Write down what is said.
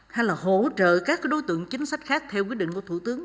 hay là hỗ trợ các đối tượng chính sách khác theo quyết định của thủ tướng